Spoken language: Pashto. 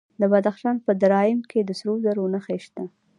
د بدخشان په درایم کې د سرو زرو نښې شته.